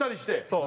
そう。